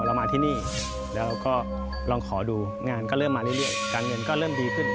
เรามาที่นี่แล้วก็ลองขอดูงานก็เริ่มมาเรื่อยการเงินก็เริ่มดีขึ้น